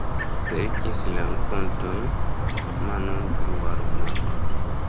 Verkis rakontojn, romanon "Blua romano".